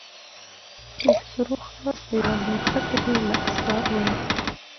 کیخسرو خان په یوه نښته کې له آسه ولوېد.